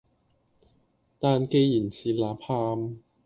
但旣然是吶喊，